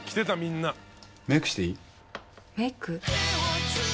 メークしていい？